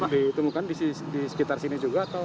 ditemukan di sekitar sini juga